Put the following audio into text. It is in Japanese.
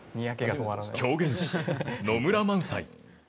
狂言師、野村萬斎。